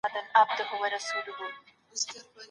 دوی به د راتلونکي په اړه اټکلونه کوي.